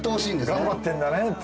頑張ってるんだねって。